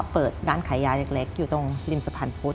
เปิดร้านขายยาเล็กอยู่ตรงริมสะพานพุธ